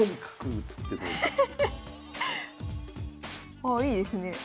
ああいいですね。